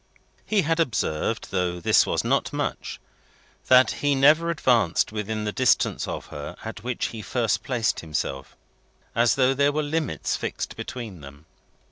He also observed though this was not much that he never advanced within the distance of her at which he first placed himself: as though there were limits fixed between them.